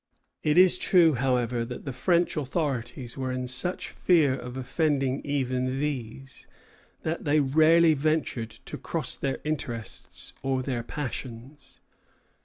It is true, however, that the French authorities were in such fear of offending even these that they rarely ventured to cross their interests or their passions.